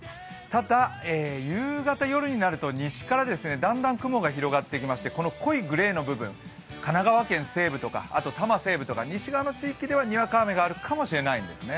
ただ、夕方、夜になると西からだんだん雲が広がってきましてこの濃いグレーの部分、神奈川県西部とかあと多摩西部とか西側の地域で雨が降るかもしれないですね。